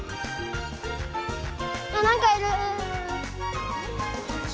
あっ何かいる！